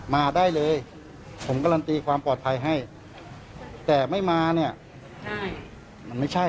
มาได้เลยผมการันตีความปลอดภัยให้แต่ไม่มาเนี่ยใช่มันไม่ใช่